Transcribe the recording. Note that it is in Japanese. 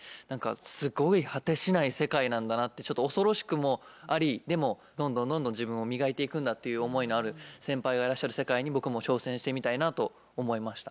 すごい果てしない世界なんだなってちょっと恐ろしくもありでもどんどんどんどん自分を磨いていくんだっていう思いのある先輩がいらっしゃる世界に僕も挑戦してみたいなと思いました。